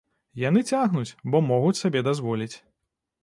Яны цягнуць, бо могуць сабе дазволіць.